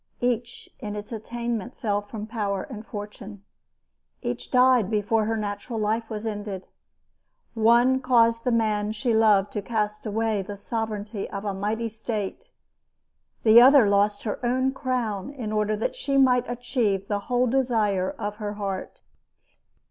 Each, in its attainment, fell from power and fortune. Each died before her natural life was ended. One caused the man she loved to cast away the sovereignty of a mighty state. The other lost her own crown in order that she might achieve the whole desire of her heart.